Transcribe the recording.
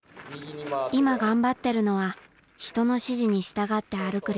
今頑張ってるのは人の指示に従って歩く